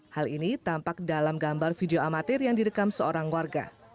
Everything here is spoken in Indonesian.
hal ini tampak dalam gambar video amatir yang direkam seorang warga